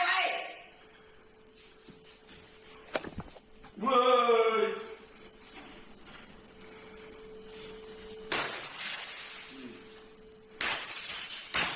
เจ้ายังไม่เรียนเจ๋